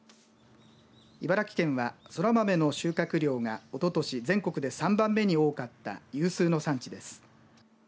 茨城県は、そら豆の収穫量がおととし全国で３番目に多かった有数の産地です。